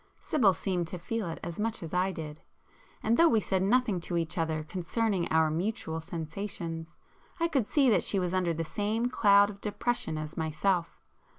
Sibyl seemed to feel it as much as I did,—and though we said nothing to each other concerning our mutual sensations, I could see that she was under the same cloud of depression as myself.